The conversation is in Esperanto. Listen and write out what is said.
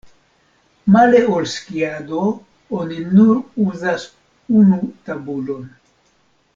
Male ol skiado oni nur uzas unu tabulon.